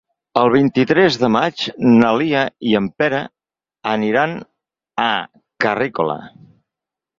El vint-i-tres de maig na Lia i en Pere aniran a Carrícola.